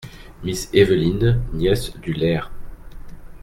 Miss Eveline, nièce du Laird.